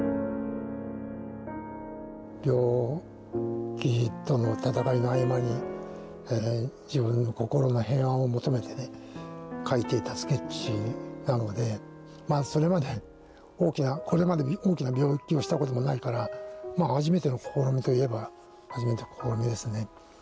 病気との闘いの合間に自分の心の平安を求めてね描いていたスケッチなのでこれまで大きな病気をしたこともないから初めての試みといえば初めての試みですね。